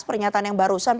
pernyataan yang barusan